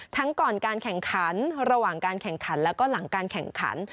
ก่อนการแข่งขันระหว่างการแข่งขันแล้วก็หลังการแข่งขัน